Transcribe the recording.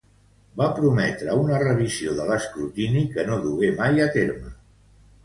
Va prometre una revisió de l’escrutini que no dugués mai a terme.